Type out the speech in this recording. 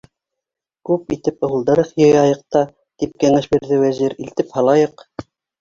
- Күп итеп ыуылдырыҡ йыяйыҡ та, - тип кәңәш бирҙе Вәзир, -илтеп һалайыҡ.